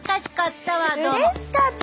うれしかった。